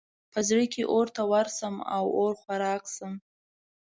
په زړه کې اور ته ورشم او اور خوراک شم.